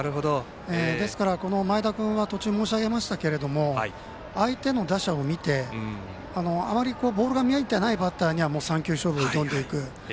ですから、前田君は途中申し上げましたけれども相手の打者を見て、あまりボールが見えてないバッターには３球勝負を挑んでいく。